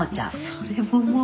それももう。